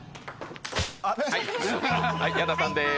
はい矢田さんです。